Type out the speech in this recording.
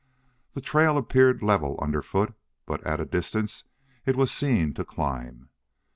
The trail appeared level underfoot, but at a distance it was seen to climb.